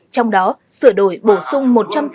trong đó sửa đổi bổ sung một trăm tám mươi